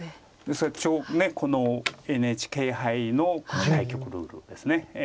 それこのＮＨＫ杯の対局ルールです。